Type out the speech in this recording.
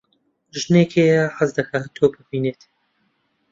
ژنێک هەیە حەز دەکات تۆ ببینێت.